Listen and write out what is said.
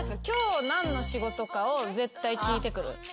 今日何の仕事かを絶対聞いてくる。